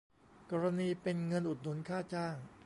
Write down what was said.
กรณีเป็นเงินอุดหนุนค่าจ้าง